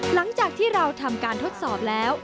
หลังจากที่เราทำการทดสอบแล้ว